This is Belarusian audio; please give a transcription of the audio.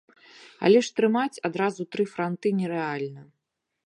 Але ж трымаць адразу тры франты нерэальна.